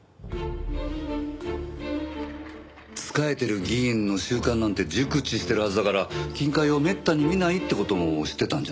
仕えてる議員の習慣なんて熟知してるはずだから金塊をめったに見ないって事も知ってたんじゃない？